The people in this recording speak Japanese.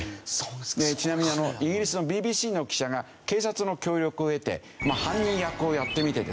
ちなみにイギリスのＢＢＣの記者が警察の協力を得て犯人役をやってみてですね